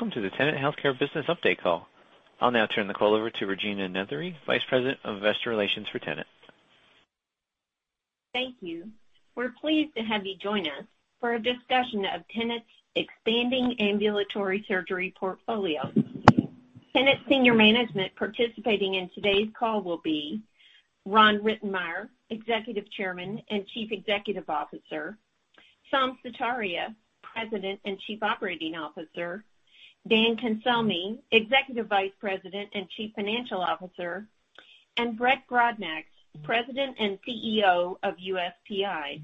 Welcome to the Tenet Healthcare Business Update Call. I'll now turn the call over to Regina Nethery, Vice President of Investor Relations for Tenet. Thank you. We're pleased to have you join us for a discussion of Tenet's expanding ambulatory surgery portfolio. Tenet Senior Management participating in today's call will be Ron Rittenmeyer, Executive Chairman and Chief Executive Officer, Saumya Sutaria, President and Chief Operating Officer, Dan Cancelmi, Executive Vice President and Chief Financial Officer, and Brett Brodnax, President and CEO of USPI.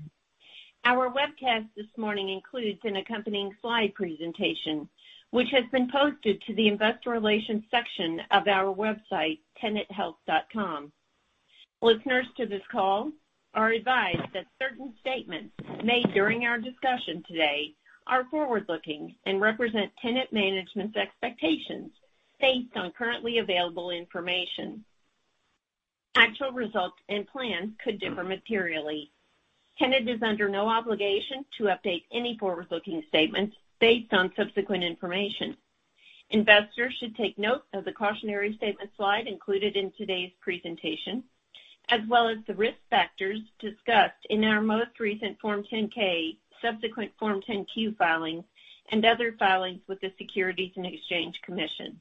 Our webcast this morning includes an accompanying slide presentation, which has been posted to the investor relations section of our website, tenethealth.com. Listeners to this call are advised that certain statements made during our discussion today are forward-looking and represent Tenet management's expectations based on currently available information. Actual results and plans could differ materially. Tenet is under no obligation to update any forward-looking statements based on subsequent information. Investors should take note of the cautionary statement slide included in today's presentation, as well as the risk factors discussed in our most recent Form 10-K, subsequent Form 10-Q filings, and other filings with the Securities and Exchange Commission.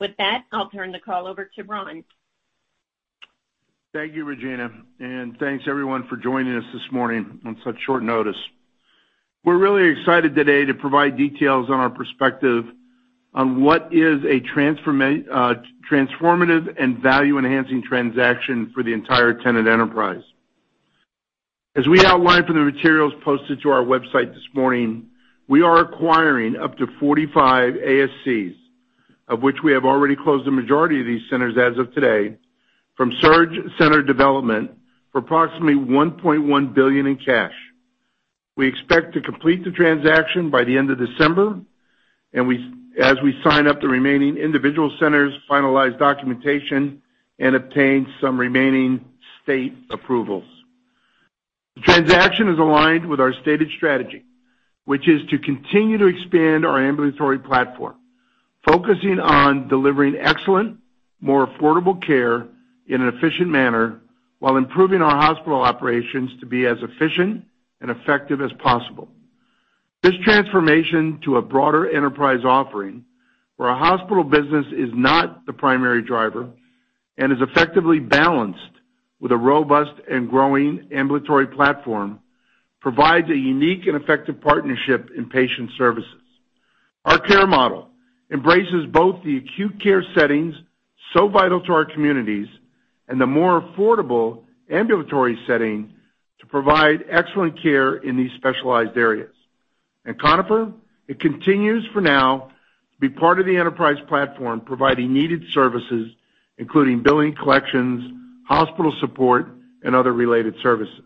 With that, I'll turn the call over to Ron. Thank you, Regina, and thanks, everyone, for joining us this morning on such short notice. We're really excited today to provide details on our perspective on what is a transformative and value-enhancing transaction for the entire Tenet enterprise. As we outlined from the materials posted to our website this morning, we are acquiring up to 45 ASCs, of which we have already closed the majority of these centers as of today, from SurgCenter Development for approximately $1.1 billion in cash. We expect to complete the transaction by the end of December as we sign up the remaining individual centers, finalize documentation, and obtain some remaining state approvals. The transaction is aligned with our stated strategy, which is to continue to expand our ambulatory platform, focusing on delivering excellent, more affordable care in an efficient manner while improving our hospital operations to be as efficient and effective as possible. This transformation to a broader enterprise offering, where our hospital business is not the primary driver and is effectively balanced with a robust and growing ambulatory platform, provides a unique and effective partnership in patient services. Our care model embraces both the acute care settings, so vital to our communities, and the more affordable ambulatory setting to provide excellent care in these specialized areas. Conifer, it continues for now to be part of the enterprise platform, providing needed services, including billing collections, hospital support, and other related services.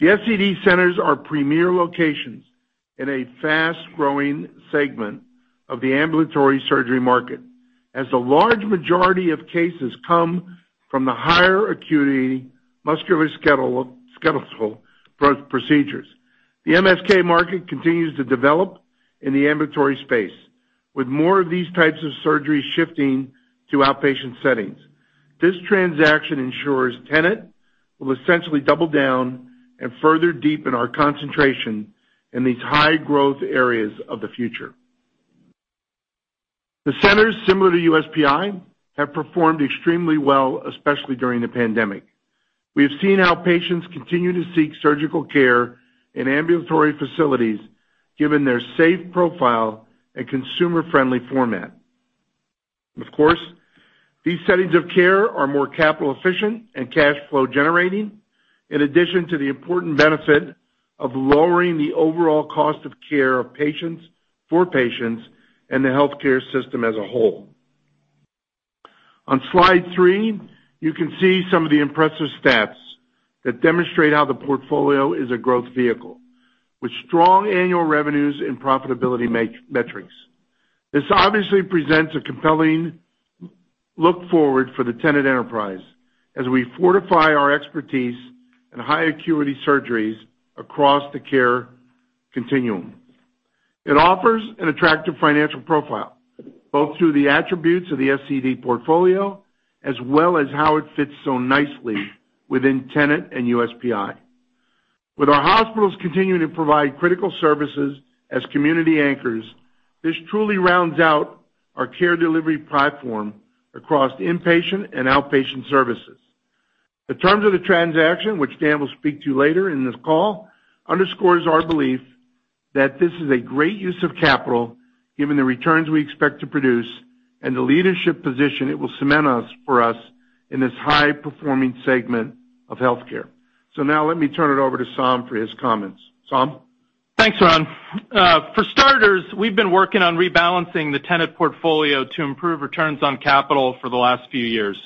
The SCD centers are premier locations in a fast-growing segment of the ambulatory surgery market, as a large majority of cases come from the higher acuity musculoskeletal procedures. The MSK market continues to develop in the ambulatory space, with more of these types of surgeries shifting to outpatient settings. This transaction ensures Tenet will essentially double down and further deepen our concentration in these high-growth areas of the future. The centers similar to USPI have performed extremely well, especially during the pandemic. We have seen how patients continue to seek surgical care in ambulatory facilities, given their safe profile and consumer-friendly format. Of course, these settings of care are more capital efficient and cash flow generating, in addition to the important benefit of lowering the overall cost of care of patients, for patients, and the healthcare system as a whole. On slide three, you can see some of the impressive stats that demonstrate how the portfolio is a growth vehicle, with strong annual revenues and profitability metrics. This obviously presents a compelling look forward for the Tenet enterprise as we fortify our expertise in high acuity surgeries across the care continuum. It offers an attractive financial profile, both through the attributes of the SCD portfolio, as well as how it fits so nicely within Tenet and USPI. With our hospitals continuing to provide critical services as community anchors, this truly rounds out our care delivery platform across inpatient and outpatient services. The terms of the transaction, which Dan will speak to later in this call, underscores our belief that this is a great use of capital given the returns we expect to produce and the leadership position it will cement for us in this high-performing segment of healthcare. Now let me turn it over to Saum for his comments. Saum? Thanks, Ron. For starters, we've been working on rebalancing the Tenet portfolio to improve returns on capital for the last few years.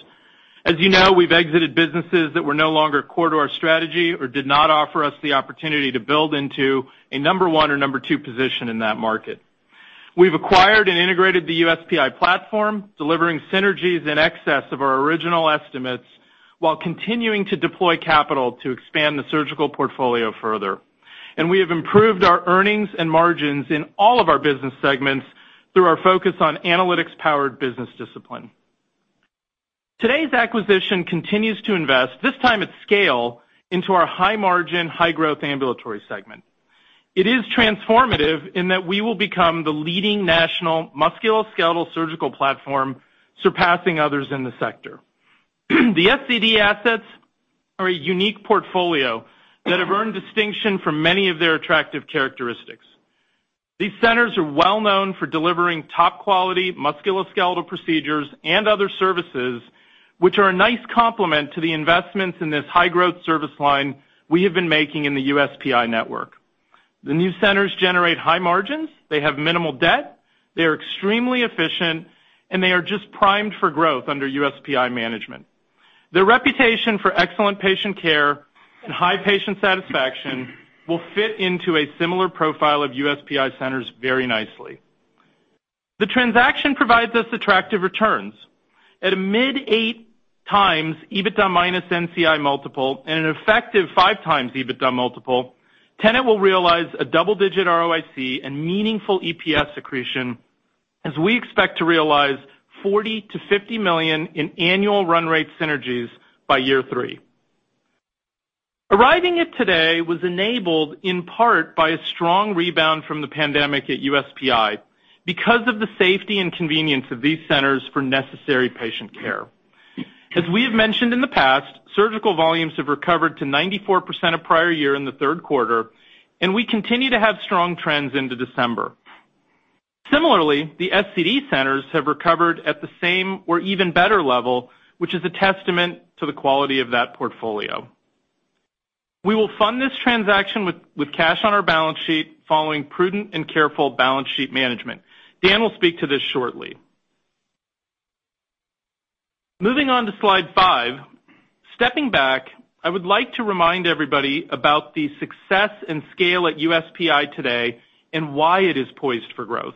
As you know, we've exited businesses that were no longer core to our strategy or did not offer us the opportunity to build into a number one or number two position in that market. We've acquired and integrated the USPI platform, delivering synergies in excess of our original estimates. While continuing to deploy capital to expand the surgical portfolio further. We have improved our earnings and margins in all of our business segments through our focus on analytics-powered business discipline. Today's acquisition continues to invest, this time at scale, into our high margin, high growth ambulatory segment. It is transformative in that we will become the leading national musculoskeletal surgical platform, surpassing others in the sector. The SCD assets are a unique portfolio that have earned distinction from many of their attractive characteristics. These centers are well-known for delivering top-quality musculoskeletal procedures and other services, which are a nice complement to the investments in this high-growth service line we have been making in the USPI network. The new centers generate high margins, they have minimal debt, they are extremely efficient, and they are just primed for growth under USPI management. Their reputation for excellent patient care and high patient satisfaction will fit into a similar profile of USPI centers very nicely. The transaction provides us attractive returns. At a mid 8x EBITDA minus NCI multiple and an effective 5x EBITDA multiple, Tenet will realize a double-digit ROIC and meaningful EPS accretion, as we expect to realize $40 million-$50 million in annual run rate synergies by year three. Arriving at today was enabled in part by a strong rebound from the pandemic at USPI because of the safety and convenience of these centers for necessary patient care. As we have mentioned in the past, surgical volumes have recovered to 94% of prior year in the third quarter, and we continue to have strong trends into December. Similarly, the SCD centers have recovered at the same or even better level, which is a testament to the quality of that portfolio. We will fund this transaction with cash on our balance sheet following prudent and careful balance sheet management. Dan will speak to this shortly. Moving on to slide five. Stepping back, I would like to remind everybody about the success and scale at USPI today and why it is poised for growth.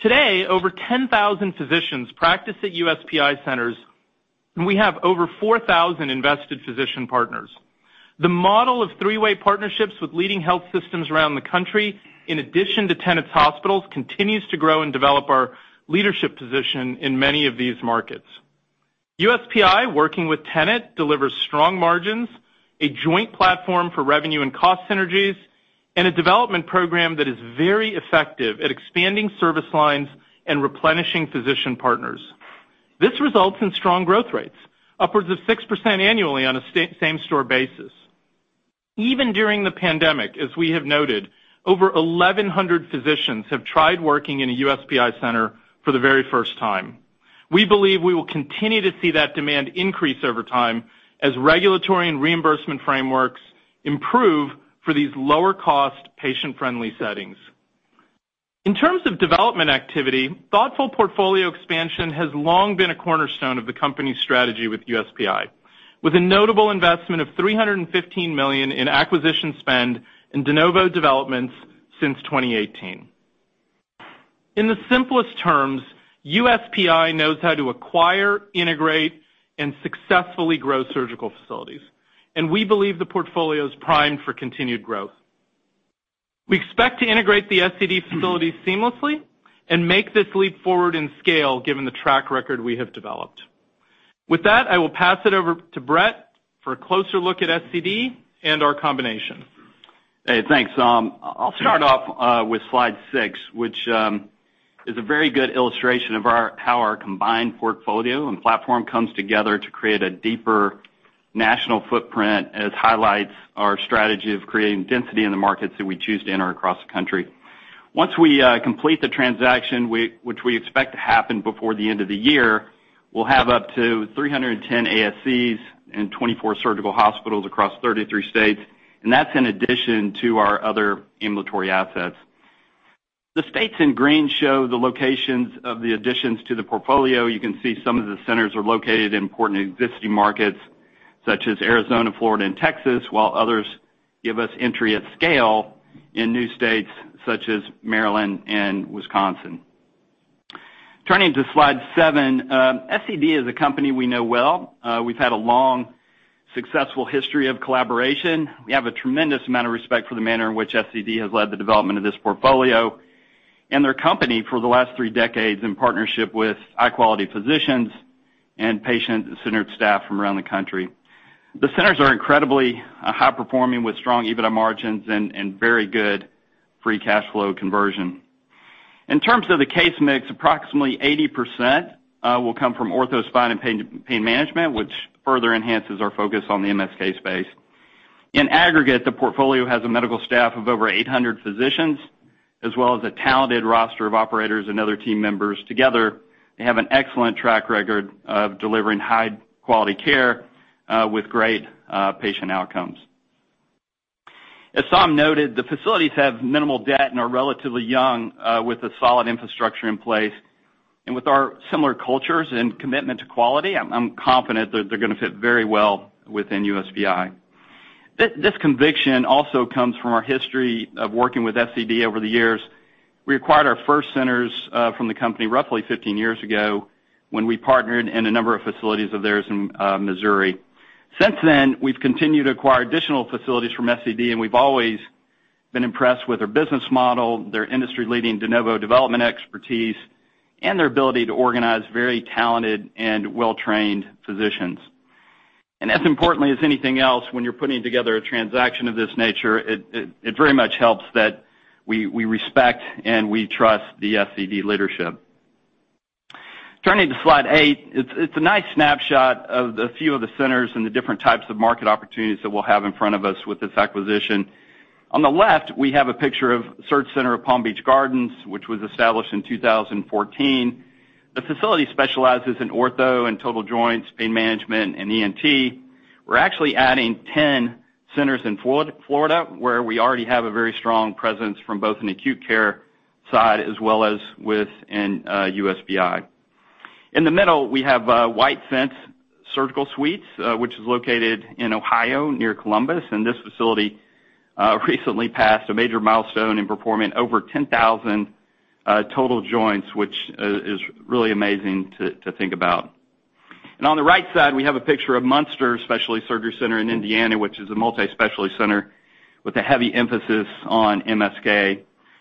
Today, over 10,000 physicians practice at USPI centers, and we have over 4,000 invested physician partners. The model of three-way partnerships with leading health systems around the country, in addition to Tenet's hospitals, continues to grow and develop our leadership position in many of these markets. USPI, working with Tenet, delivers strong margins, a joint platform for revenue and cost synergies, and a development program that is very effective at expanding service lines and replenishing physician partners. This results in strong growth rates, upwards of 6% annually on a same-store basis. Even during the pandemic, as we have noted, over 1,100 physicians have tried working in a USPI center for the very first time. We believe we will continue to see that demand increase over time as regulatory and reimbursement frameworks improve for these lower-cost, patient-friendly settings. In terms of development activity, thoughtful portfolio expansion has long been a cornerstone of the company's strategy with USPI, with a notable investment of $315 million in acquisition spend in de novo developments since 2018. In the simplest terms, USPI knows how to acquire, integrate, and successfully grow surgical facilities, and we believe the portfolio is primed for continued growth. We expect to integrate the SCD facilities seamlessly and make this leap forward in scale given the track record we have developed. With that, I will pass it over to Brett for a closer look at SCD and our combination. Hey, thanks, Saum. I'll start off with slide six, which is a very good illustration of how our combined portfolio and platform comes together to create a deeper national footprint. It highlights our strategy of creating density in the markets that we choose to enter across the country. Once we complete the transaction, which we expect to happen before the end of the year, we'll have up to 310 ASCs and 24 surgical hospitals across 33 states, and that's in addition to our other ambulatory assets. The states in green show the locations of the additions to the portfolio. You can see some of the centers are located in important existing markets such as Arizona, Florida, and Texas, while others give us entry at scale in new states such as Maryland and Wisconsin. Turning to slide seven. SCD is a company we know well. We've had a long, successful history of collaboration. We have a tremendous amount of respect for the manner in which SCD has led the development of this portfolio and their company for the last 3 decades in partnership with high-quality physicians and patient-centered staff from around the country. The centers are incredibly high performing with strong EBITDA margins and very good free cash flow conversion. In terms of the case mix, approximately 80% will come from ortho, spine, and pain management, which further enhances our focus on the MSK space. In aggregate, the portfolio has a medical staff of over 800 physicians, as well as a talented roster of operators and other team members. Together, they have an excellent track record of delivering high-quality care with great patient outcomes. As Saum noted, the facilities have minimal debt and are relatively young with a solid infrastructure in place. With our similar cultures and commitment to quality, I'm confident that they're going to fit very well within USPI. This conviction also comes from our history of working with SCD over the years. We acquired our first centers from the company roughly 15 years ago when we partnered in a number of facilities of theirs in Missouri. Since then, we've continued to acquire additional facilities from SCD, and we've always been impressed with their business model, their industry-leading de novo development expertise, and their ability to organize very talented and well-trained physicians. As importantly as anything else, when you're putting together a transaction of this nature, it very much helps that we respect and we trust the SCD leadership. Turning to slide eight, it's a nice snapshot of a few of the centers and the different types of market opportunities that we'll have in front of us with this acquisition. On the left, we have a picture of SurgCenter of Palm Beach Gardens, which was established in 2014. The facility specializes in ortho and total joints, pain management, and ENT. We're actually adding 10 centers in Florida, where we already have a very strong presence from both an acute care side as well as with in USPI. In the middle, we have White Fence Surgical Suites, which is located in Ohio, near Columbus, and this facility recently passed a major milestone in performing over 10,000 total joints, which is really amazing to think about. On the right side, we have a picture of Munster Specialty Surgery Center in Indiana, which is a multi-specialty center with a heavy emphasis on MSK.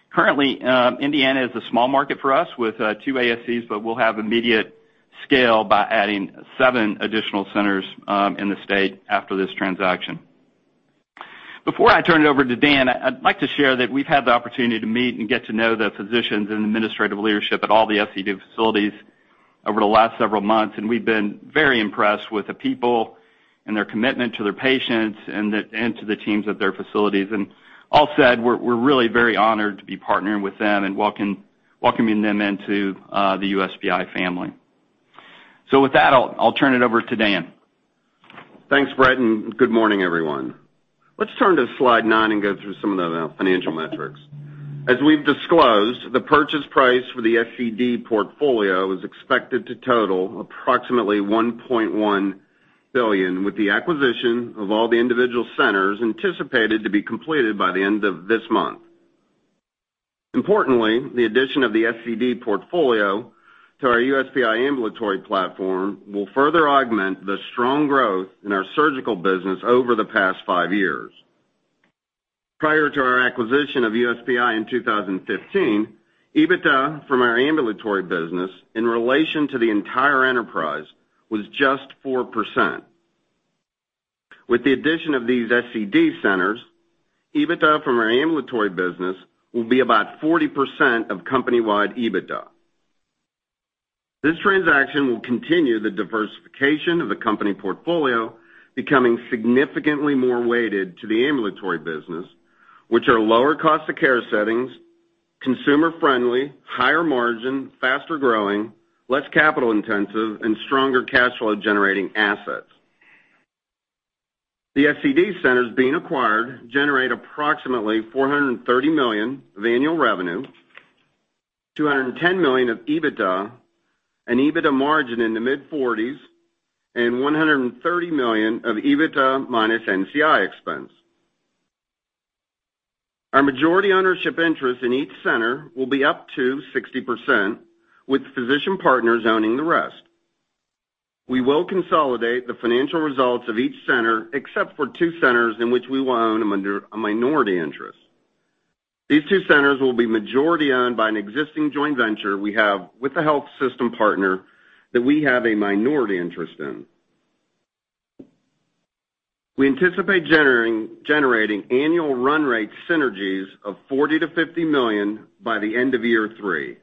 Currently, Indiana is a small market for us with two ASCs, but we'll have immediate scale by adding seven additional centers in the state after this transaction. Before I turn it over to Dan, I'd like to share that we've had the opportunity to meet and get to know the physicians and administrative leadership at all the SCD facilities over the last several months, and we've been very impressed with the people and their commitment to their patients and to the teams at their facilities. All said, we're really very honored to be partnering with them and welcoming them into the USPI family. With that, I'll turn it over to Dan. Thanks, Brett, good morning, everyone. Let's turn to slide nine and go through some of the financial metrics. As we've disclosed, the purchase price for the SCD portfolio is expected to total approximately $1.1 billion, with the acquisition of all the individual centers anticipated to be completed by the end of this month. Importantly, the addition of the SCD portfolio to our USPI ambulatory platform will further augment the strong growth in our surgical business over the past five years. Prior to our acquisition of USPI in 2015, EBITDA from our ambulatory business in relation to the entire enterprise was just 4%. With the addition of these SCD centers, EBITDA from our ambulatory business will be about 40% of company-wide EBITDA. This transaction will continue the diversification of the company portfolio, becoming significantly more weighted to the ambulatory business, which are lower cost of care settings, consumer-friendly, higher margin, faster growing, less capital-intensive, and stronger cash flow-generating assets. The SCD centers being acquired generate approximately $430 million of annual revenue, $210 million of EBITDA, an EBITDA margin in the mid-40s, and $130 million of EBITDA minus NCI expense. Our majority ownership interest in each center will be up to 60%, with physician partners owning the rest. We will consolidate the financial results of each center, except for 2 centers in which we will own a minority interest. These 2 centers will be majority owned by an existing joint venture we have with a health system partner that we have a minority interest in. We anticipate generating annual run rate synergies of $40 million-$50 million by the end of year three.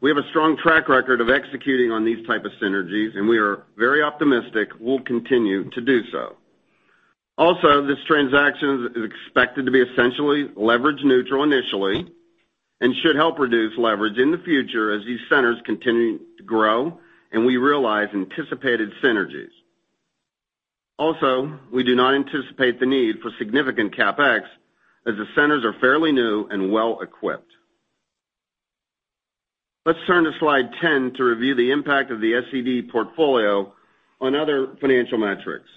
We have a strong track record of executing on these type of synergies, and we are very optimistic we'll continue to do so. Also, this transaction is expected to be essentially leverage neutral initially and should help reduce leverage in the future as these centers continue to grow and we realize anticipated synergies. Also, we do not anticipate the need for significant CapEx as the centers are fairly new and well-equipped. Let's turn to slide 10 to review the impact of the SCD portfolio on other financial metrics.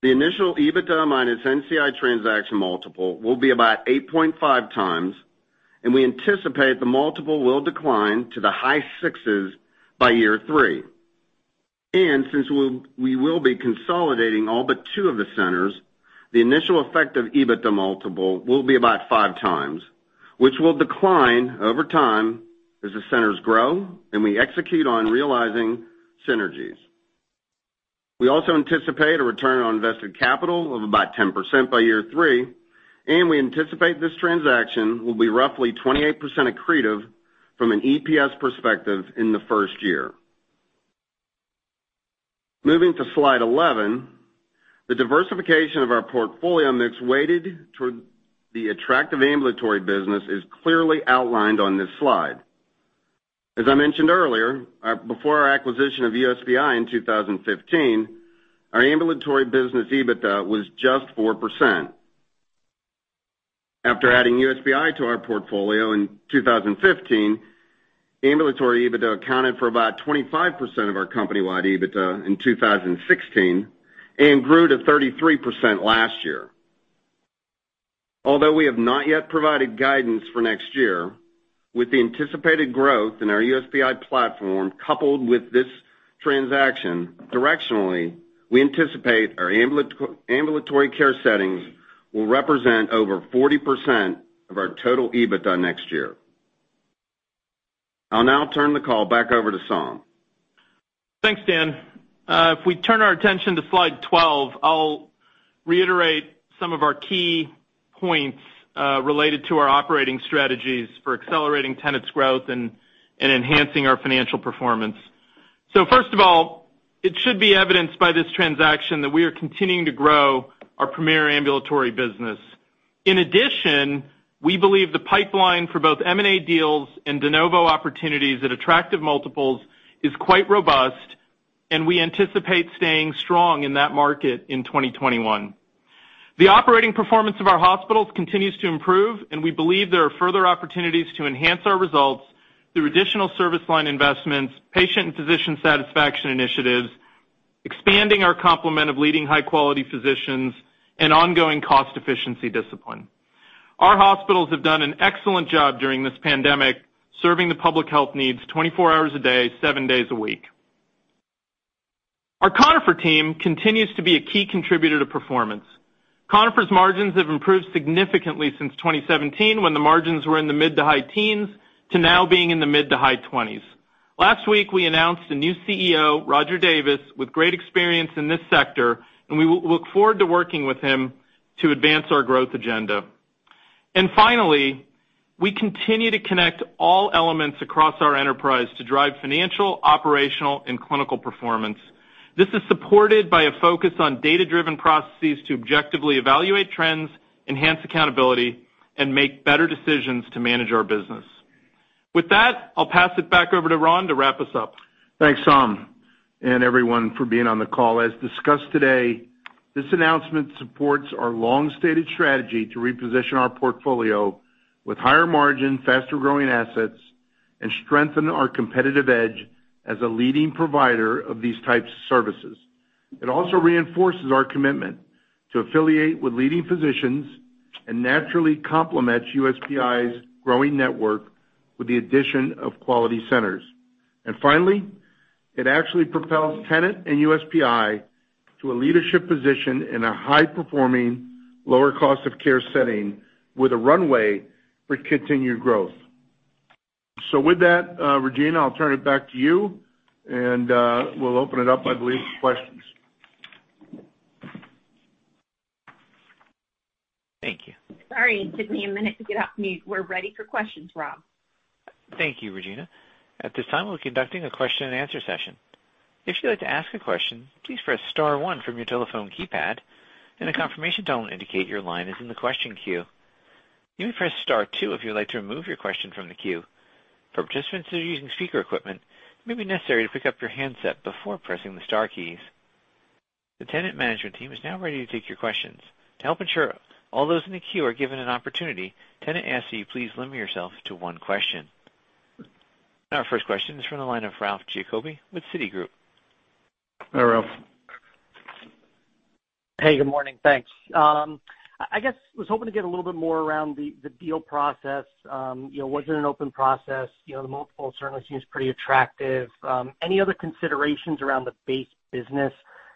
The initial EBITDA minus NCI transaction multiple will be about 8.5x, and we anticipate the multiple will decline to the high sixes by year three. Since we will be consolidating all but two of the centers, the initial effective EBITDA multiple will be about 5x, which will decline over time as the centers grow and we execute on realizing synergies. We also anticipate a return on invested capital of about 10% by year three, and we anticipate this transaction will be roughly 28% accretive from an EPS perspective in the first year. Moving to slide 11, the diversification of our portfolio mix weighted toward the attractive ambulatory business is clearly outlined on this slide. As I mentioned earlier, before our acquisition of USPI in 2015, our ambulatory business EBITDA was just 4%. After adding USPI to our portfolio in 2015, ambulatory EBITDA accounted for about 25% of our company-wide EBITDA in 2016 and grew to 33% last year. Although we have not yet provided guidance for next year, with the anticipated growth in our USPI platform, coupled with this transaction, directionally, we anticipate our ambulatory care settings will represent over 40% of our total EBITDA next year. I'll now turn the call back over to Saum. Thanks, Dan. If we turn our attention to slide 12, I'll reiterate some of our key points related to our operating strategies for accelerating Tenet's growth and enhancing our financial performance. First of all, it should be evidenced by this transaction that we are continuing to grow our premier ambulatory business. In addition, we believe the pipeline for both M&A deals and de novo opportunities at attractive multiples is quite robust, and we anticipate staying strong in that market in 2021. The operating performance of our hospitals continues to improve, and we believe there are further opportunities to enhance our results through additional service line investments, patient and physician satisfaction initiatives, expanding our complement of leading high-quality physicians, and ongoing cost efficiency discipline. Our hospitals have done an excellent job during this pandemic, serving the public health needs 24 hours a day, 7 days a week. Our Conifer team continues to be a key contributor to performance. Conifer's margins have improved significantly since 2017, when the margins were in the mid to high teens, to now being in the mid to high 20s. Last week, we announced a new CEO, Roger Davis, with great experience in this sector. We look forward to working with him to advance our growth agenda. Finally, we continue to connect all elements across our enterprise to drive financial, operational, and clinical performance. This is supported by a focus on data-driven processes to objectively evaluate trends, enhance accountability, and make better decisions to manage our business. With that, I'll pass it back over to Ron to wrap us up. Thanks, Saum, and everyone for being on the call. As discussed today, this announcement supports our long-stated strategy to reposition our portfolio with higher margin, faster-growing assets and strengthen our competitive edge as a leading provider of these types of services. It also reinforces our commitment to affiliate with leading physicians and naturally complement USPI's growing network with the addition of quality centers. Finally, it actually propels Tenet and USPI to a leadership position in a high-performing, lower cost of care setting with a runway for continued growth. With that, Regina, I'll turn it back to you, and we'll open it up, I believe, for questions. Thank you. Sorry, it took me a minute to get off mute. We're ready for questions, Ron. Thank you, Regina. At this time, we're conducting a question and answer session. If you'd like to ask a question, please press star one from your telephone keypad. A confirmation tone will indicate your line is in the question queue. You may press star two if you'd like to remove your question from the queue. For participants that are using speaker equipment, it may be necessary to pick up your handset before pressing the star keys. The Tenet management team is now ready to take your questions. To help ensure all those in the queue are given an opportunity, Tenet asks that you please limit yourself to one question. Our first question is from the line of Ralph Giacobbe with Citigroup. Hi, Ralph. Hey, good morning. Thanks. I guess, was hoping to get a little bit more around the deal process. Was it an open process? The multiple certainly seems pretty attractive. Any other considerations around the base business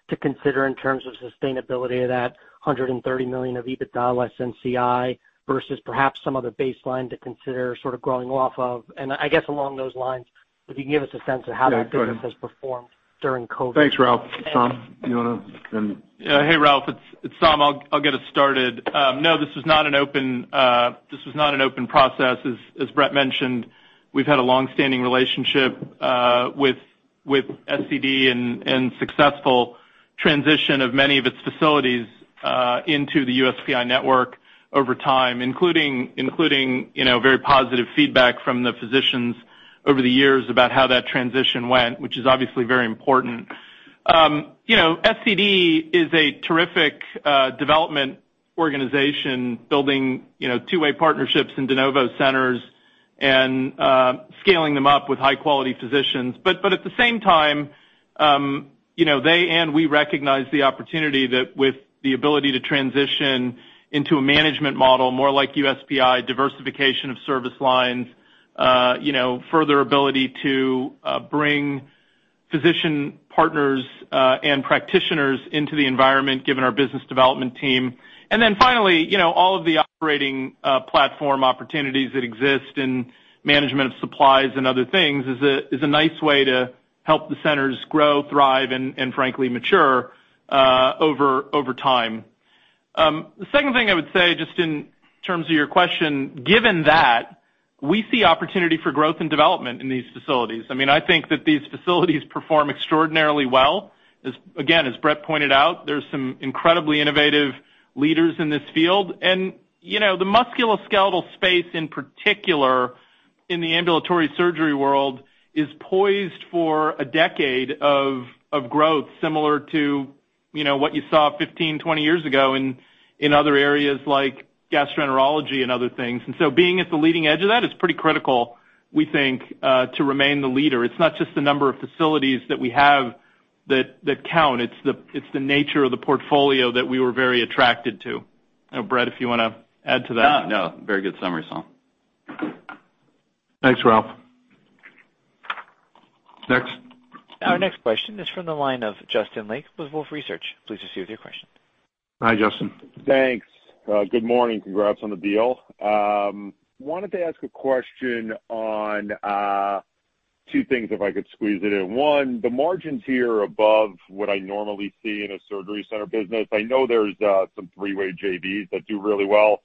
to consider in terms of sustainability of that $130 million of EBITDA less NCI versus perhaps some other baseline to consider sort of growing off of? I guess along those lines, if you can give us a sense of how that business has performed during COVID. Thanks, Ralph. Saum, you want to then. Yeah. Hey, Ralph. It's Saum. I'll get us started. No, this was not an open process. As Brett mentioned, we've had a long-standing relationship with SCD and successful transition of many of its facilities into the USPI network over time, including very positive feedback from the physicians over the years about how that transition went, which is obviously very important. SCD is a terrific development organization building two-way partnerships in de novo centers and scaling them up with high-quality physicians. At the same time, they and we recognize the opportunity that with the ability to transition into a management model, more like USPI, diversification of service lines, further ability to bring physician partners and practitioners into the environment given our business development team. Finally, all of the operating platform opportunities that exist in management of supplies and other things is a nice way to help the centers grow, thrive, and frankly, mature over time. The second thing I would say, just in terms of your question, given that, we see opportunity for growth and development in these facilities. I think that these facilities perform extraordinarily well. Again, as Brett pointed out, there's some incredibly innovative leaders in this field. The musculoskeletal space in particular in the ambulatory surgery world is poised for a decade of growth similar to what you saw 15, 20 years ago in other areas like gastroenterology and other things. Being at the leading edge of that is pretty critical, we think, to remain the leader. It's not just the number of facilities that we have that count. It's the nature of the portfolio that we were very attracted to. Brett, if you want to add to that? No, very good summary, Saum. Thanks, Ralph. Next. Our next question is from the line of Justin Lake with Wolfe Research. Please proceed with your question. Hi, Justin. Thanks. Good morning. Congrats on the deal. Wanted to ask a question on two things, if I could squeeze it in. One, the margins here are above what I normally see in a surgery center business. I know there's some three-way JVs that do really well,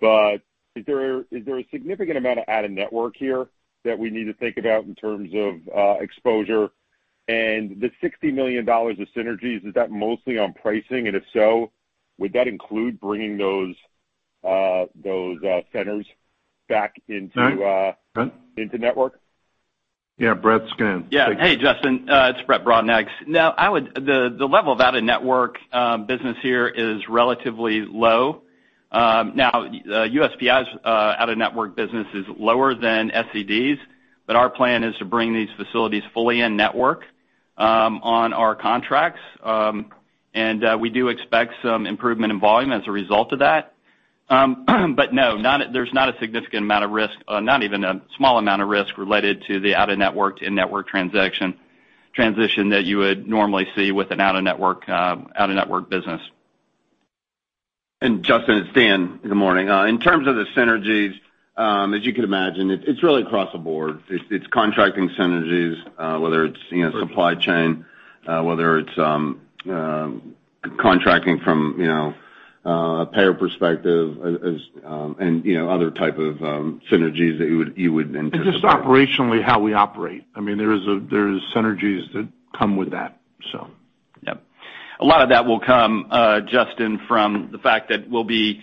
but is there a significant amount of added network here that we need to think about in terms of exposure? The $40 million-$50 million of synergies, is that mostly on pricing? If so, would that include bringing those centers back into-? Brett? network? Yeah, Brett's going to take that. Hey, Justin, it's Brett Brodnax. The level of out-of-network business here is relatively low. USPI's out-of-network business is lower than SCD's, our plan is to bring these facilities fully in-network on our contracts. We do expect some improvement in volume as a result of that. There's not a significant amount of risk, not even a small amount of risk related to the out-of-network to in-network transition that you would normally see with an out-of-network business. Justin, it's Dan. Good morning. In terms of the synergies, as you can imagine, it's really across the board. It's contracting synergies, whether it's supply chain, whether it's contracting from a payer perspective, and other type of synergies that you would anticipate. Just operationally how we operate, there's synergies that come with that. Yep. A lot of that will come, Justin, from the fact that we'll be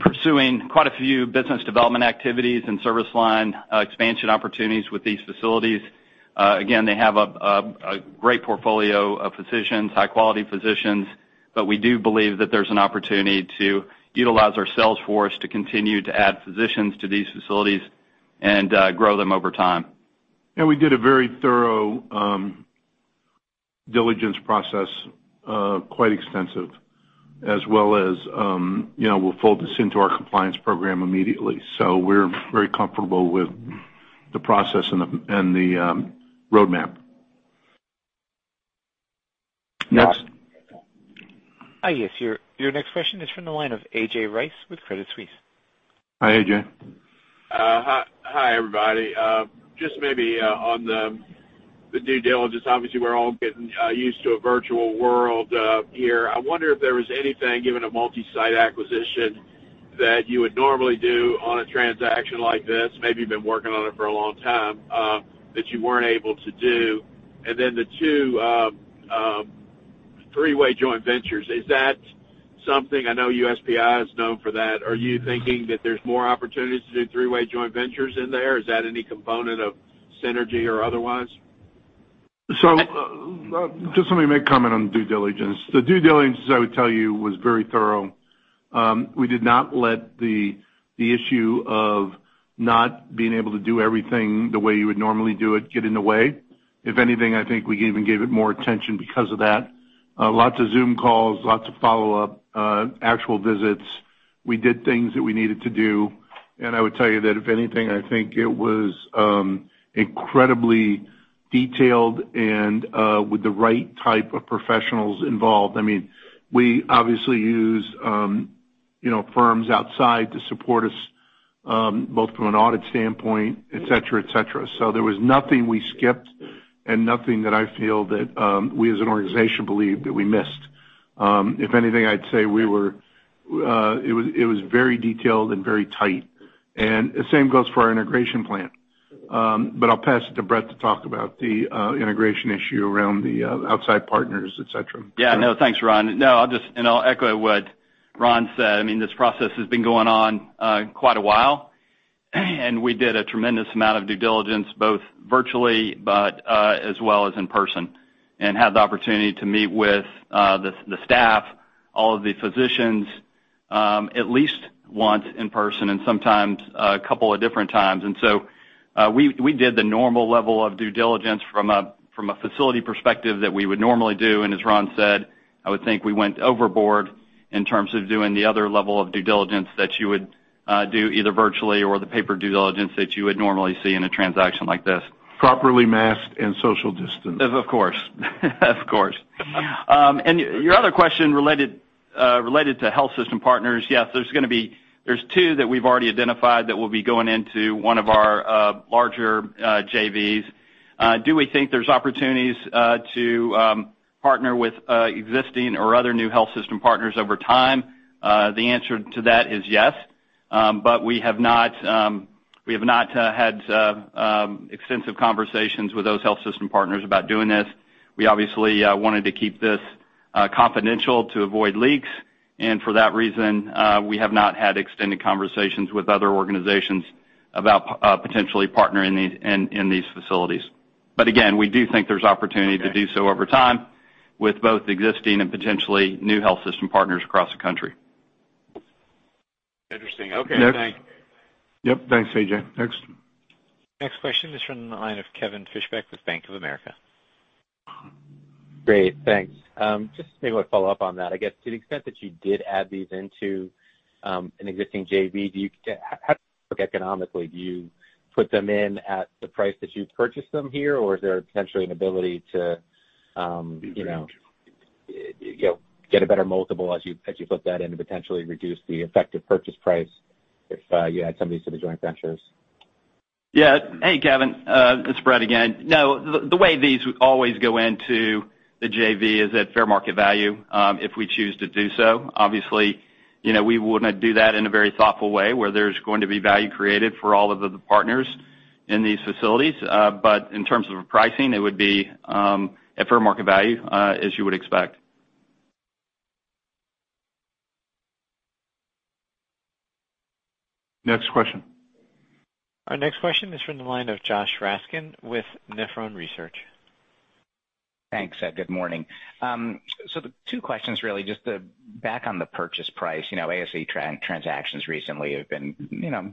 pursuing quite a few business development activities and service line expansion opportunities with these facilities. Again, they have a great portfolio of physicians, high quality physicians, but we do believe that there's an opportunity to utilize our sales force to continue to add physicians to these facilities and grow them over time. We did a very thorough diligence process, quite extensive, as well as we'll fold this into our compliance program immediately. We're very comfortable with the process and the road map. Next. Yes, your next question is from the line of A.J. Rice with Credit Suisse. Hi, A.J. Hi, everybody. Just maybe on the due diligence, obviously, we're all getting used to a virtual world here. I wonder if there was anything, given a multi-site acquisition, that you would normally do on a transaction like this, maybe you've been working on it for a long time, that you weren't able to do. The two three-way joint ventures, is that something, I know USPI is known for that, are you thinking that there's more opportunities to do three-way joint ventures in there? Is that any component of synergy or otherwise? Just let me make a comment on due diligence. The due diligence, I would tell you, was very thorough. We did not let the issue of not being able to do everything the way you would normally do it get in the way. If anything, I think we even gave it more attention because of that. Lots of Zoom calls, lots of follow-up, actual visits. We did things that we needed to do. I would tell you that if anything, I think it was incredibly detailed and with the right type of professionals involved. We obviously use firms outside to support us, both from an audit standpoint, et cetera. There was nothing we skipped and nothing that I feel that we as an organization believed that we missed. If anything, I'd say it was very detailed and very tight. The same goes for our integration plan. I'll pass it to Brett to talk about the integration issue around the outside partners, et cetera. Yeah. Thanks, Ron. I'll echo what Ron said. This process has been going on quite a while, and we did a tremendous amount of due diligence, both virtually, but as well as in person. Had the opportunity to meet with the staff, all of the physicians, at least once in person, and sometimes a couple of different times. We did the normal level of due diligence from a facility perspective that we would normally do. As Ron said, I would think we went overboard in terms of doing the other level of due diligence that you would do either virtually or the paper due diligence that you would normally see in a transaction like this. Properly masked and social distanced. Of course. Your other question related to health system partners, yes, there's two that we've already identified that will be going into one of our larger JVs. Do we think there's opportunities to partner with existing or other new health system partners over time? The answer to that is yes. We have not had extensive conversations with those health system partners about doing this. We obviously wanted to keep this confidential to avoid leaks. For that reason, we have not had extended conversations with other organizations about potentially partnering in these facilities. Again, we do think there's opportunity to do so over time with both existing and potentially new health system partners across the country. Interesting. Okay, thanks. Yep. Thanks, A.J. Next. Next question is from the line of Kevin Fischbeck with Bank of America. Great, thanks. Just maybe want to follow up on that. I guess to the extent that you did add these into an existing JV, how do you economically do you put them in at the price that you purchased them here, or is there potentially an ability to get a better multiple as you flip that in to potentially reduce the effective purchase price if you add some of these to the joint ventures? Yeah. Hey, Kevin. It's Brett again. No, the way these always go into the JV is at fair market value, if we choose to do so. Obviously, we would do that in a very thoughtful way, where there's going to be value created for all of the partners in these facilities. In terms of pricing, it would be at fair market value, as you would expect. Next question. Our next question is from the line of Joshua Raskin with Nephron Research. Thanks. Good morning. The two questions, really, just back on the purchase price. ASC transactions recently have been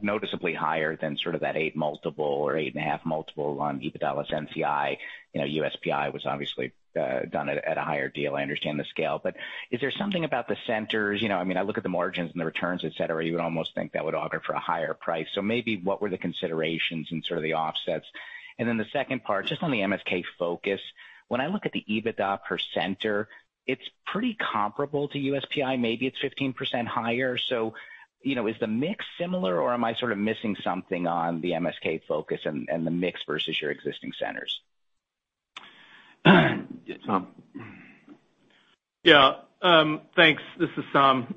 noticeably higher than sort of that eight multiple or eight and a half multiple on EBITDA less NCI. USPI was obviously done at a higher deal. I understand the scale. Is there something about the centers I look at the margins and the returns, et cetera, you would almost think that would auger for a higher price. Maybe what were the considerations and sort of the offsets? The second part, just on the MSK focus. When I look at the EBITDA per center, it's pretty comparable to USPI. Maybe it's 15% higher. Is the mix similar or am I sort of missing something on the MSK focus and the mix versus your existing centers? Yeah, Saum. Yeah. Thanks. This is Saum.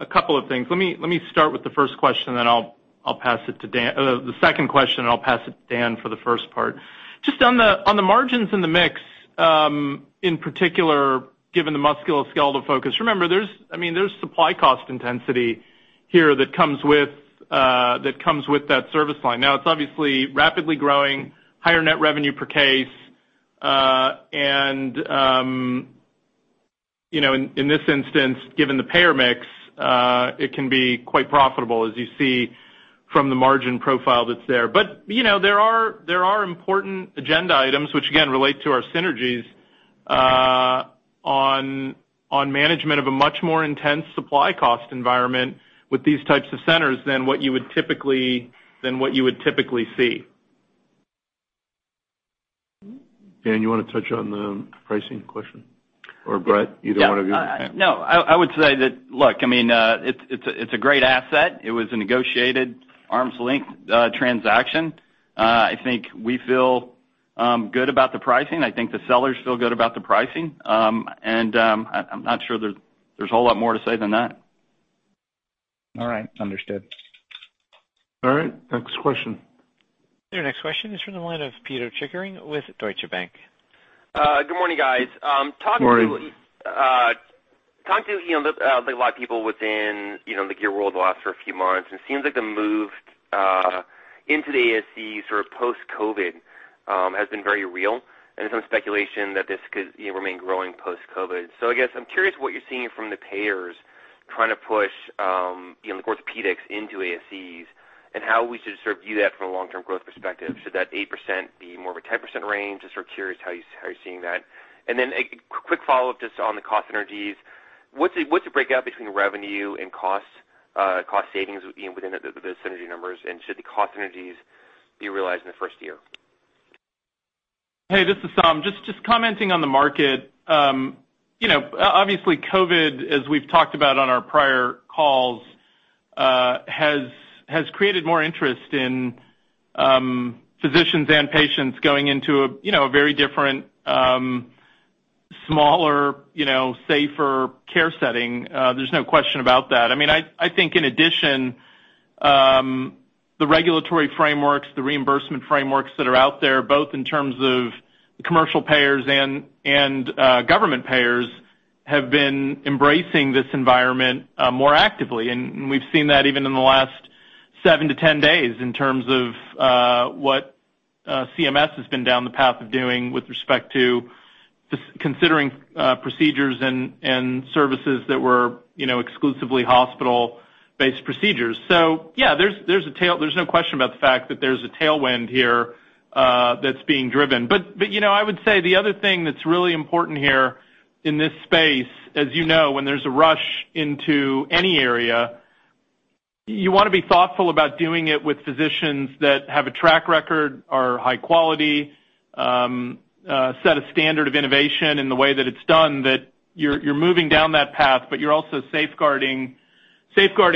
A couple of things. Let me start with the first question. The second question, and I'll pass it to Dan for the first part. Just on the margins and the mix, in particular, given the musculoskeletal focus, remember, there's supply cost intensity here that comes with that service line. It's obviously rapidly growing, higher net revenue per case. In this instance, given the payer mix, it can be quite profitable as you see from the margin profile that's there. There are important agenda items which again, relate to our synergies on management of a much more intense supply cost environment with these types of centers than what you would typically see. Dan, you want to touch on the pricing question? Or Brett, either one of you. Yeah. No, I would say that, look, it's a great asset. It was a negotiated arm's length transaction. I think we feel good about the pricing. I think the sellers feel good about the pricing. I'm not sure there's a whole lot more to say than that. All right. Understood. All right. Next question. Your next question is from the line of Pito Chickering with Deutsche Bank. Good morning, guys. Good morning. Talked to a lot of people within the ortho world the last for a few months. Seems like the move into the ASC sort of post-COVID has been very real. Some speculation that this could remain growing post-COVID. I guess I'm curious what you're seeing from the payers trying to push the orthopedics into ASCs and how we should sort of view that from a long-term growth perspective. Should that 8% be more of a 10% range? Just sort of curious how you're seeing that. Then a quick follow-up just on the cost synergies. What's the breakout between revenue and cost savings within the synergy numbers? Should the cost synergies be realized in the first year? Hey, this is Saum. Just commenting on the market. Obviously, COVID, as we've talked about on our prior calls, has created more interest in physicians and patients going into a very different, smaller, safer care setting. There's no question about that. I think in addition, the regulatory frameworks, the reimbursement frameworks that are out there, both in terms of commercial payers and government payers, have been embracing this environment more actively. We've seen that even in the last seven to 10 days in terms of what CMS has been down the path of doing with respect to considering procedures and services that were exclusively hospital-based procedures. Yeah, there's no question about the fact that there's a tailwind here that's being driven. I would say the other thing that's really important here in this space, as you know, when there's a rush into any area, you want to be thoughtful about doing it with physicians that have a track record, are high quality, set a standard of innovation in the way that it's done, that you're moving down that path, but you're also safeguarding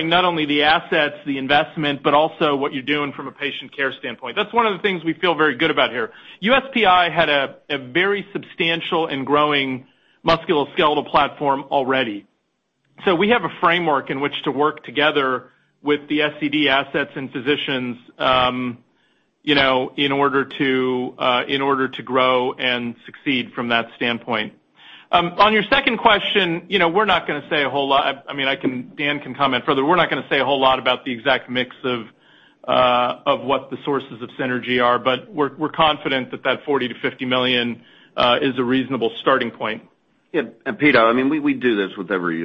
not only the assets, the investment, but also what you're doing from a patient care standpoint. That's one of the things we feel very good about here. USPI had a very substantial and growing musculoskeletal platform already. We have a framework in which to work together with the SCD assets and physicians in order to grow and succeed from that standpoint. On your second question, we're not going to say a whole lot. Dan can comment further. We're not going to say a whole lot about the exact mix of what the sources of synergy are, but we're confident that that $40 million-$50 million is a reasonable starting point. Yeah. Pito, we do this with every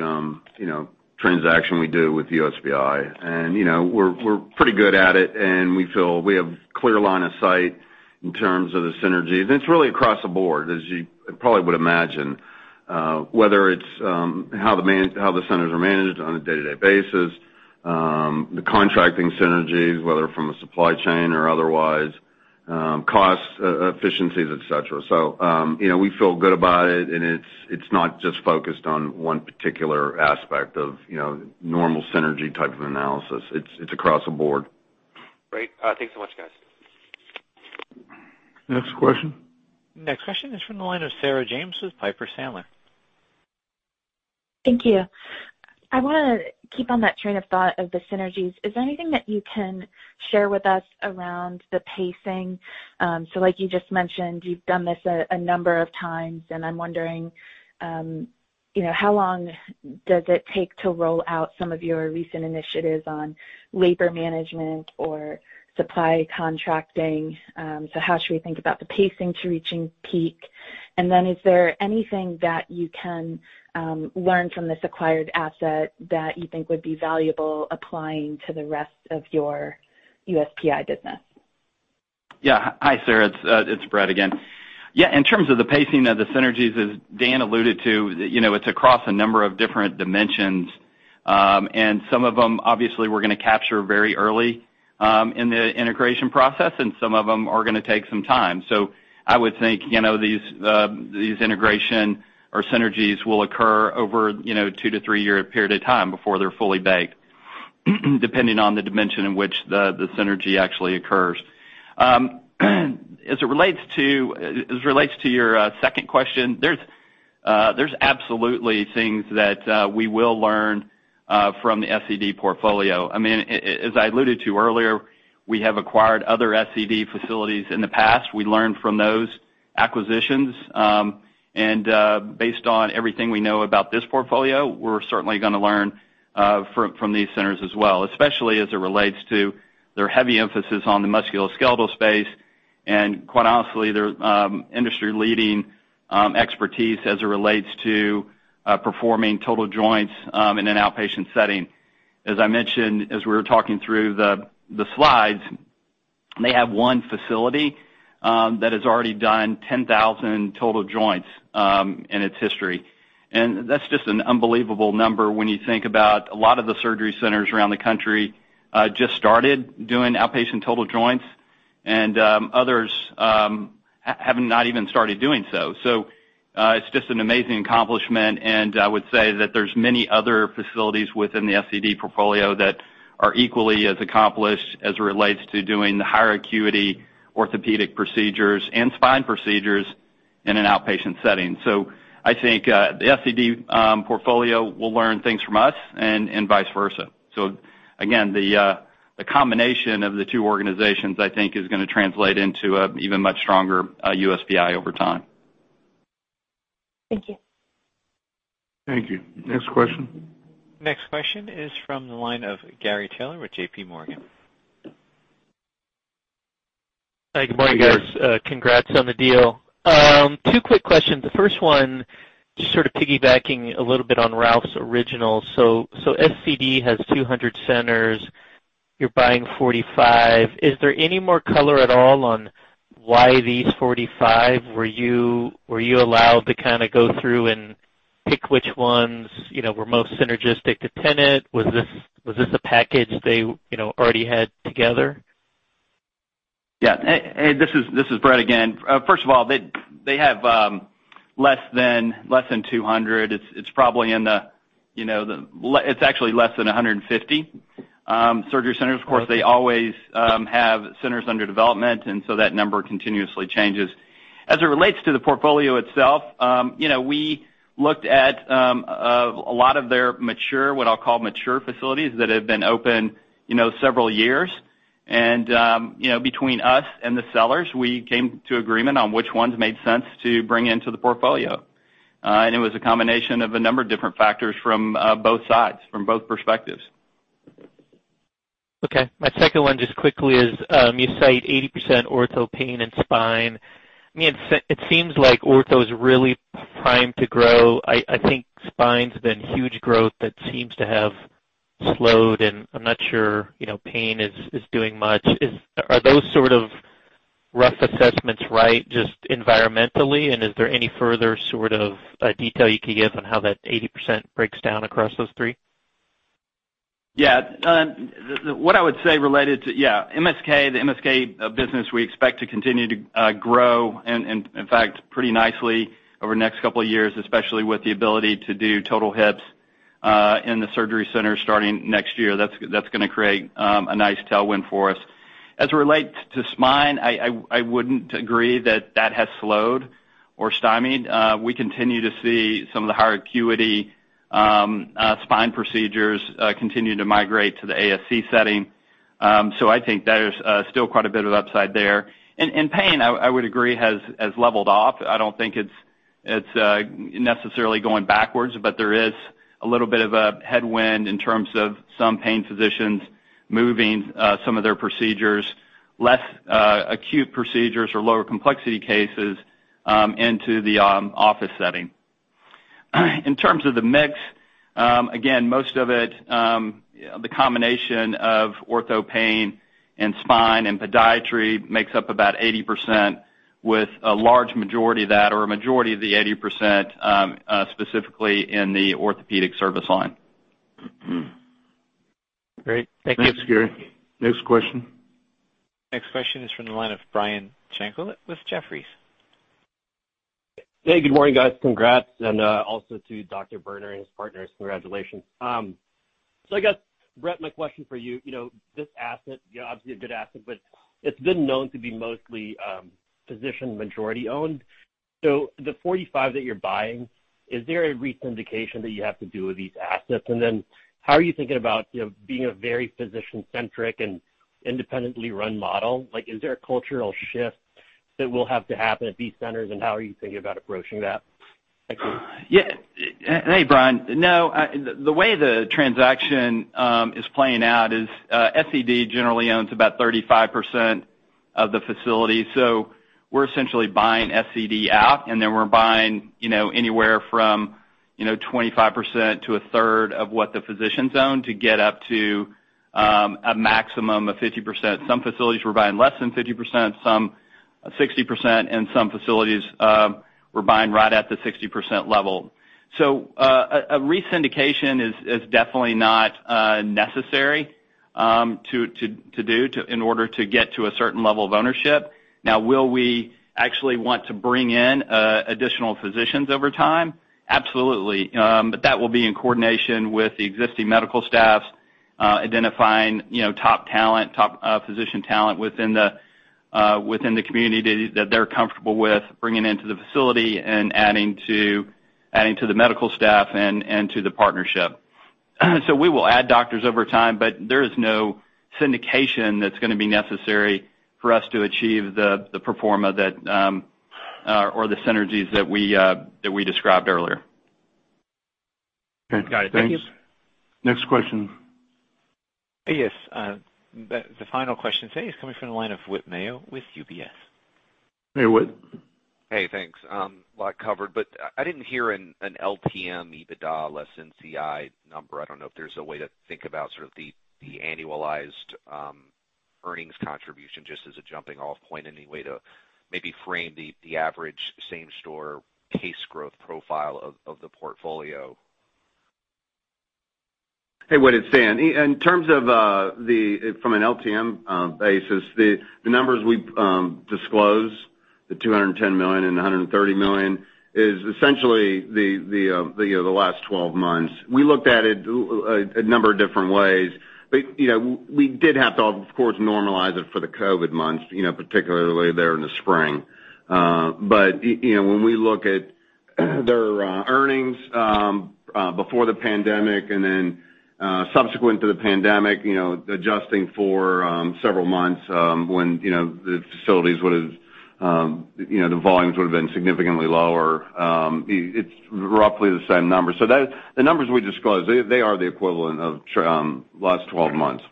transaction we do with USPI. We're pretty good at it, and we feel we have clear line of sight in terms of the synergies. It's really across the board, as you probably would imagine, whether it's how the centers are managed on a day-to-day basis, the contracting synergies, whether from a supply chain or otherwise, cost efficiencies, et cetera. We feel good about it, and it's not just focused on one particular aspect of normal synergy type of analysis. It's across the board. Great. Thanks so much, guys. Next question. Next question is from the line of Sarah James with Piper Sandler. Thank you. I want to keep on that train of thought of the synergies. Is there anything that you can share with us around the pacing? Like you just mentioned, you've done this a number of times, and I'm wondering, how long does it take to roll out some of your recent initiatives on labor management or supply contracting? How should we think about the pacing to reaching peak? Is there anything that you can learn from this acquired asset that you think would be valuable applying to the rest of your USPI business? Hi, Sarah. It's Brett again. In terms of the pacing of the synergies, as Dan alluded to, it's across a number of different dimensions. Some of them obviously we're going to capture very early in the integration process, and some of them are going to take some time. I would think these integration or synergies will occur over a 2 to 3-year period of time before they're fully baked, depending on the dimension in which the synergy actually occurs. As it relates to your second question, there's absolutely things that we will learn from the SCD portfolio. As I alluded to earlier, we have acquired other SCD facilities in the past. We learned from those acquisitions. Based on everything we know about this portfolio, we're certainly going to learn from these centers as well, especially as it relates to their heavy emphasis on the musculoskeletal space, and quite honestly, their industry-leading expertise as it relates to performing total joints in an outpatient setting. As I mentioned, as we were talking through the slides, they have one facility that has already done 10,000 total joints in its history. That's just an unbelievable number when you think about a lot of the surgery centers around the country just started doing outpatient total joints, and others have not even started doing so. It's just an amazing accomplishment, and I would say that there's many other facilities within the SCD portfolio that are equally as accomplished as it relates to doing the higher acuity orthopedic procedures and spine procedures in an outpatient setting. I think the SCD portfolio will learn things from us and vice versa. Again, the combination of the two organizations, I think is going to translate into an even much stronger USPI over time. Thank you. Thank you. Next question. Next question is from the line of Gary Taylor with J.P. Morgan. Hi, good morning, guys. Congrats on the deal. Two quick questions. The first one, just sort of piggybacking a little bit on Ralph's original. SCD has 200 centers. You're buying 45. Is there any more color at all on why these 45? Were you allowed to kind of go through and pick which ones were most synergistic to Tenet? Was this a package they already had together? Yeah. This is Brett again. First of all, they have less than 200. It's actually less than 150 surgery centers. Of course, they always have centers under development, and so that number continuously changes. As it relates to the portfolio itself, we looked at a lot of their mature, what I'll call mature facilities that have been open several years. Between us and the sellers, we came to agreement on which ones made sense to bring into the portfolio. It was a combination of a number of different factors from both sides, from both perspectives. Okay. My second one, just quickly is, you cite 80% ortho, pain, and spine. It seems like ortho is really primed to grow. I think spine's been huge growth that seems to have slowed, and I'm not sure pain is doing much. Are those sort of rough assessments right, just environmentally? Is there any further sort of detail you could give on how that 80% breaks down across those three? Yeah. What I would say related to, yeah, MSK, the MSK business, we expect to continue to grow, and in fact, pretty nicely over the next couple of years, especially with the ability to do total hips in the surgery center starting next year. That's going to create a nice tailwind for us. As it relates to spine, I wouldn't agree that that has slowed or stymied. We continue to see some of the higher acuity spine procedures continue to migrate to the ASC setting. I think there is still quite a bit of upside there. Pain, I would agree, has leveled off. I don't think it's necessarily going backwards, but there is a little bit of a headwind in terms of some pain physicians moving some of their procedures, less acute procedures or lower complexity cases, into the office setting. In terms of the mix, again, most of it, the combination of ortho, pain, and spine, and podiatry makes up about 80%, with a large majority of that or a majority of the 80% specifically in the orthopedic service line. Great. Thank you. Thanks, Gary. Next question. Next question is from the line of Brian Tanquilut with Jefferies. Hey, good morning, guys. Congrats, and also to Dr. Berner and his partners, congratulations. I guess, Brett, my question for you, this asset, obviously a good asset, but it's been known to be mostly physician majority owned. The 45 that you're buying, is there a re-syndication that you have to do with these assets? How are you thinking about being a very physician-centric and independently run model? Is there a cultural shift that will have to happen at these centers, and how are you thinking about approaching that? Thank you. Yeah. Hey, Brian. The way the transaction is playing out is, SCD generally owns about 35% of the facility. We're essentially buying SCD out, and then we're buying anywhere from 25% to a third of what the physicians own to get up to a maximum of 50%. Some facilities we're buying less than 50%, some 60%, and some facilities we're buying right at the 60% level. A re-syndication is definitely not necessary to do in order to get to a certain level of ownership. Will we actually want to bring in additional physicians over time? Absolutely. That will be in coordination with the existing medical staff, identifying top talent, top physician talent within the community that they're comfortable with bringing into the facility and adding to the medical staff and to the partnership. We will add doctors over time, but there is no syndication that's going to be necessary for us to achieve the pro forma or the synergies that we described earlier. Got it. Thank you. Thanks. Next question. Yes. The final question today is coming from the line of Whit Mayo with UBS. Hey, Whit. Hey, thanks. A lot covered, but I didn't hear an LTM EBITDA less NCI number. I don't know if there's a way to think about sort of the annualized earnings contribution, just as a jumping-off point, any way to maybe frame the average same-store case growth profile of the portfolio? Hey, Whit, it's Dan. From an LTM basis, the numbers we disclosed, the $210 million and $130 million, is essentially the last 12 months. We looked at it a number of different ways, but we did have to, of course, normalize it for the COVID months, particularly there in the spring. When we look at their earnings before the pandemic and then subsequent to the pandemic, adjusting for several months when the facilities the volumes would've been significantly lower, it's roughly the same number. The numbers we disclosed, they are the equivalent of last 12 months.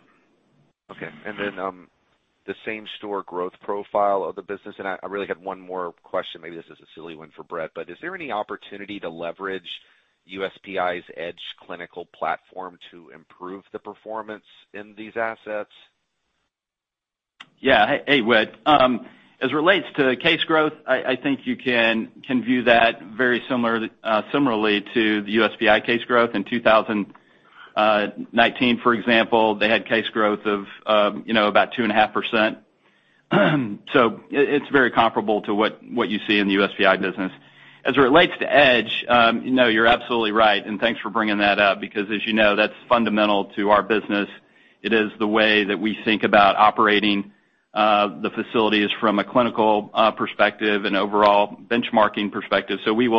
Okay. The same-store growth profile of the business, and I really had one more question. Maybe this is a silly one for Brett, but is there any opportunity to leverage USPI's EDGE clinical platform to improve the performance in these assets? Hey, Whit. As it relates to case growth, I think you can view that very similarly to the USPI case growth. In 2019, for example, they had case growth of about 2.5%. It's very comparable to what you see in the USPI business. As it relates to Edge, you're absolutely right, and thanks for bringing that up because as you know, that's fundamental to our business. It is the way that we think about operating the facilities from a clinical perspective and overall benchmarking perspective. We've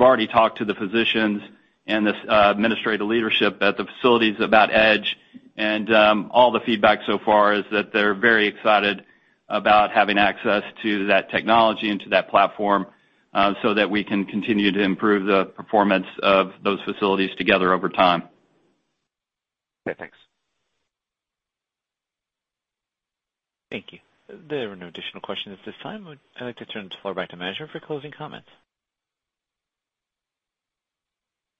already talked to the physicians and the administrative leadership at the facilities about Edge, and all the feedback so far is that they're very excited about having access to that technology and to that platform so that we can continue to improve the performance of those facilities together over time. Okay, thanks. Thank you. There are no additional questions at this time. I'd like to turn the floor back to management for closing comments.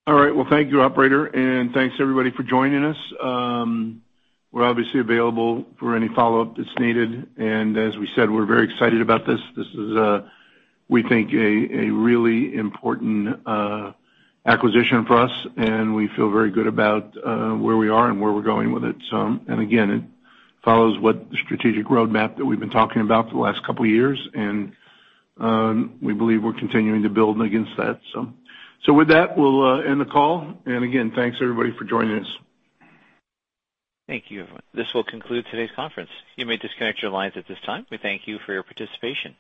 All right. Well, thank you, operator, and thanks, everybody, for joining us. We're obviously available for any follow-up that's needed, and as we said, we're very excited about this. This is, we think, a really important acquisition for us, and we feel very good about where we are and where we're going with it. Again, it follows what the strategic roadmap that we've been talking about for the last couple of years, and we believe we're continuing to build against that. With that, we'll end the call. Again, thanks, everybody, for joining us. Thank you, everyone. This will conclude today's conference. You may disconnect your lines at this time. We thank you for your participation.